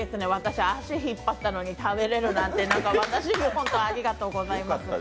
私、足引っ張ったのに食べれるなんてなんかありがとうございます。